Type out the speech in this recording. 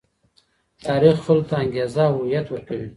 تاريخ خلګو ته انګېزه او هويت ورکوي.